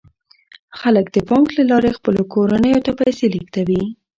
خلک د بانک له لارې خپلو کورنیو ته پیسې لیږدوي.